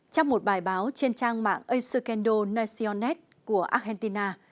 trong một bài báo trên trang mạng el secundo nacional của argentina